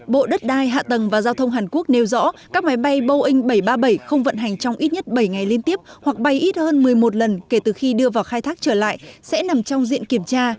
bộ đất đai hạ tầng và giao thông hàn quốc nêu rõ các máy bay boeing bảy trăm ba mươi bảy không vận hành trong ít nhất bảy ngày liên tiếp hoặc bay ít hơn một mươi một lần kể từ khi đưa vào khai thác trở lại sẽ nằm trong diện kiểm tra